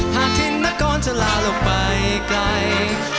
หากทิ้นนักก้อนจะลาลงไปไกล